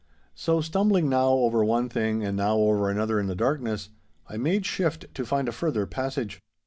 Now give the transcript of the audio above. So, stumbling now over one thing and now over another in the darkness, I made shift to find a further passage.